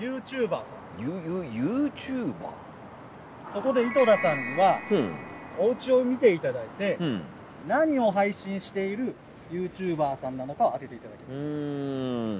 そこで井戸田さんにはおうちを見ていただいて何を配信しているユーチューバーさんなのかを当てていただきます。